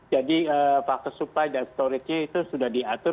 jadi faktor supply dan storage itu sudah diatur